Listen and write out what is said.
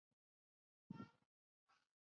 大阿伯尔热芒人口变化图示